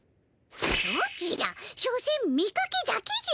ソチらしょせん見かけだけじゃ。